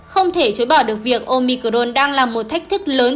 không thể chối bỏ được việc omicron đang là một thách thức lớn